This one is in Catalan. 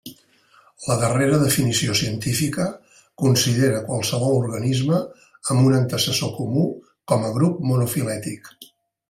La darrera definició científica considera qualsevol organisme amb un antecessor comú com a grup monofilètic.